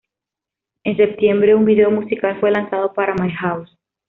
En septiembre, un video musical fue lanzado para "My House".